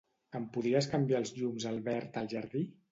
Em podries canviar els llums al verd al jardí?